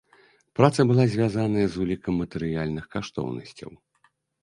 Праца была звязаная з улікам матэрыяльных каштоўнасцяў.